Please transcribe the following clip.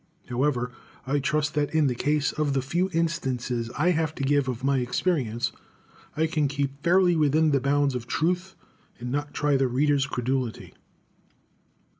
However, I trust that in the case of the few instances I have to give of my experience I can keep fairly within the bounds of truth and not try the reader's credulity.